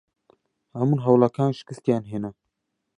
هەموو هەوڵەکان شکستیان هێنا.